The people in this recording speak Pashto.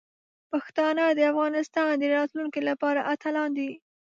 پښتانه د افغانستان د راتلونکي لپاره اتلان دي.